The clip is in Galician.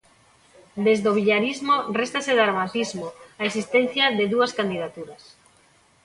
Desde o villarismo réstase dramatismo á existencia de dúas candidaturas.